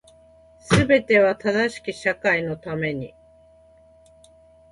全ては正しき社会のために